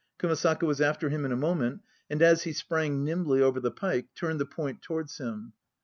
Kumasaka was after him in a moment, and as he sprang nimbly over the pike, 1 Turned the point towards him.